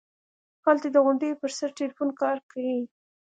هلته د غونډۍ پر سر ټېلفون کار کيي.